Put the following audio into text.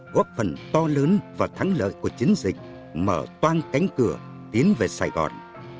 góp phần to lớn và thắng lợi của chiến dịch mở toan cánh cửa tiến về sài gòn